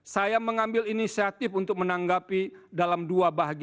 saya mengambil inisiatif untuk menanggapi dalam dua bahagia